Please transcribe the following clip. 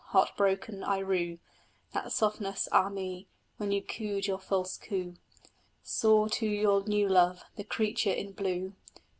Heart broken I rue That softness, ah me! when you cooed your false coo. Soar to your new love the creature in blue!